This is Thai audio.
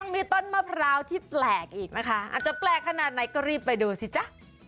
มีต้นมะพร้าวที่แปลกอีกนะคะอาจจะแปลกขนาดไหนก็รีบไปดูสิจ๊ะ